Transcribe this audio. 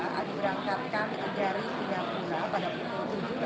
akan diberangkatkan dari singapura pada pukul tujuh